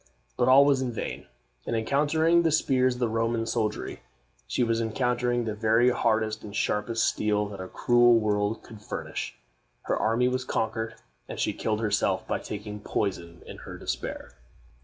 But all was in vain. In encountering the spears of Roman soldiery, she was encountering the very hardest and sharpest steel that a cruel world could furnish. Her army was conquered, and she killed herself by taking poison in her despair.